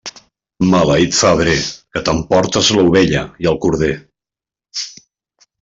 Maleït febrer, que t'emportes l'ovella i el corder.